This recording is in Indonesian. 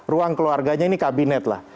ruang keluarganya ini kabinet lah